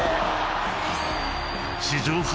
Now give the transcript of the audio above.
史上初